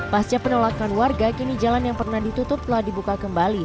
pasca penolakan warga kini jalan yang pernah ditutup telah dibuka kembali